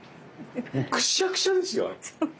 もうくしゃくしゃですよ。